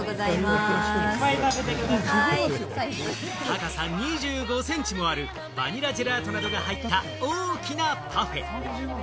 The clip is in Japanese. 高さ２５ｃｍもあるバニラジェラートなどが入った大きなパフェ。